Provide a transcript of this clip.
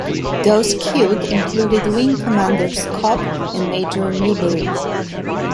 Those killed included Wing Commander Scott and Major Newbury.